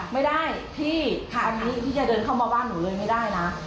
ไม่ได้พี่อันนี้พี่จะเดินเข้ามาบ้านหนูเลยไม่ได้นะ